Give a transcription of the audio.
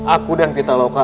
aku dan kita lokal